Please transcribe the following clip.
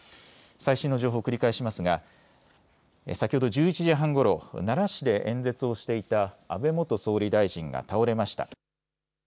最新の情報を繰り返しますが先ほど１１時半ごろ奈良市で演説をしていた安倍元総理大臣が倒れました。